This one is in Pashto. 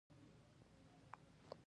خاوره د افغان ځوانانو لپاره دلچسپي لري.